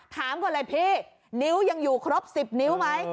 ถามก่อนเลยพี่นิ้วยังอยู่ครบ๑๐นิ้วไหม